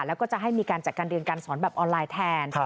แล้วก็จะให้มีการจัดการเรียนการสอนแบบออนไลน์แทน